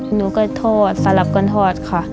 หนูก็โทษสำหรับคนทอดค่ะ